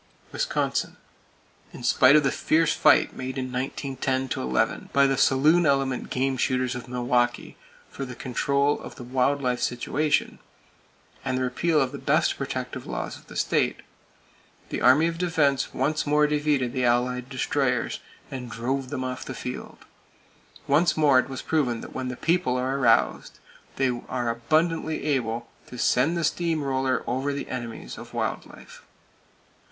Wisconsin: In spite of the fierce fight made in 1910 11 by the saloon element game shooters of Milwaukee for the control of the wild life situation, and the repeal of the best protective laws of the state, the Army of Defense once more defeated the Allied Destroyers, and drove them off the field. Once more it was proven that when The People are aroused, they are abundantly able to send the steam roller over the enemies of wild life.